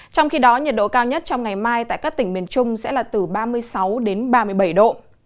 trong khi đó nhiệt độ cao nhất trong ngày mai tại các tỉnh miền trung sẽ là từ ba mươi sáu đến ba mươi bảy độ